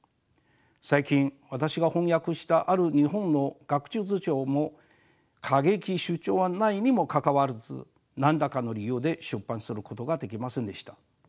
最近私が翻訳したある日本の学術書も過激な主張はないにもかかわらず何らかの理由で出版することができませんでした。